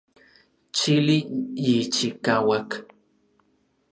Chili yichikauak.